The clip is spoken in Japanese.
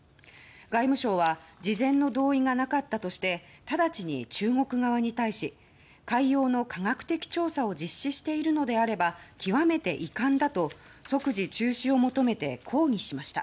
外務省は事前の同意がなかったとしてただちに中国側に対し海洋の科学的調査を実施しているのであれば極めて遺憾だと即時中止を求めて抗議しました。